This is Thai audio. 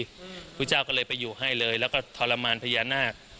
พระพุทธเจ้าก็เลยไปอยู่ให้เลยแล้วก็ทรมานพญานาค